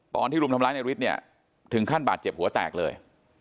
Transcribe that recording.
ตอนที่รุมทำร้ายในฤทธิ์เนี่ยถึงขั้นบาดเจ็บหัวแตกเลย